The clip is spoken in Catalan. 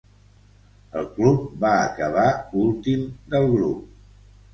El club va acabar últim del grup.